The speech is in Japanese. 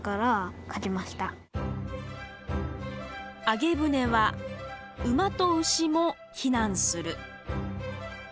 「あげ舟は馬と牛もひなんする」。